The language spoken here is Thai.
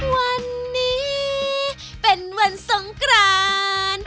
วันนี้เป็นวันสงกราน